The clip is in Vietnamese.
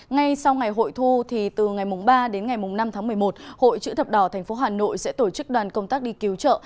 ngay sau ngày hội thu từ ngày ba đến ngày năm tháng một mươi một hội chữ thập đỏ tp hà nội sẽ tổ chức đoàn công tác đi cứu trợ